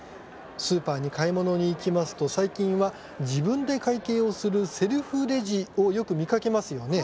スーパーに買い物に行きますと最近は自分で会計をするセルフレジをよく見かけますよね。